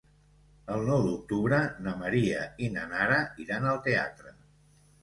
El nou d'octubre na Maria i na Nara iran al teatre.